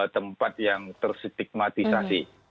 tempat yang tersitigmatisasi